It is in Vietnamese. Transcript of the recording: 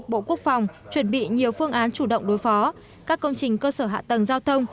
bộ quốc phòng chuẩn bị nhiều phương án chủ động đối phó các công trình cơ sở hạ tầng giao thông